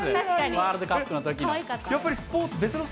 ワールドカップのときの。